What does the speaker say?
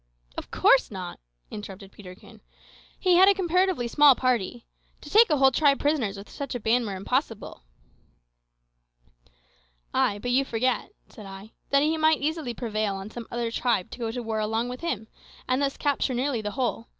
"Of course not," interrupted Peterkin; "he had a comparatively small party. To take a whole tribe prisoners with such a band were impossible." "Ay, but you forget," said I, "that he might easily prevail on some other tribe to go to war along with him, and thus capture nearly the whole.